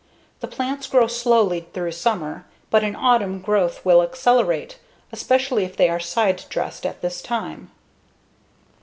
The plants grow slowly through summer, but in autumn growth will accelerate, especially if they are side dressed at this time.